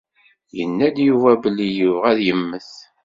Yenna-d Yuba belli yebɣa ad yemmet.